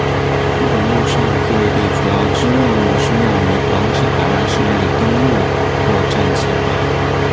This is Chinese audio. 日本陆上自卫队主要之任务是用于防止海外势力的登陆作战计划。